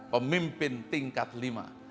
pemimpin tingkat lima